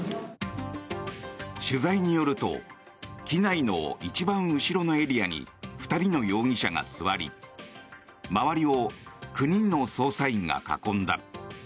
取材によると機内の一番後ろのエリアに２人の容疑者が座り周りを９人の捜査員が囲んだ。